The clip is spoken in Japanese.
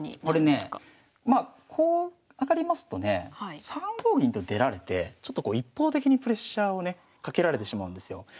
これねまあこう上がりますとね３五銀と出られてちょっとこう一方的にプレッシャーをねかけられてしまうんですよ。